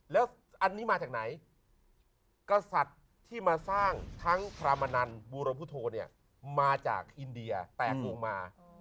แล้วอันนี้มาจากไหนกษัตริย์ที่มาสร้างทั้งพระมนันบูรพุทธโธเนี่ยมาจากอินเดียแตกลงมา